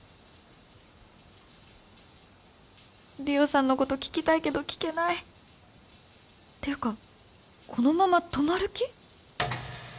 理緒さんのこと聞きたいけど聞けないていうかこのまま泊まる気？